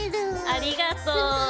ありがとう！